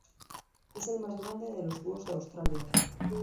Es el más grande de los búhos de Australia.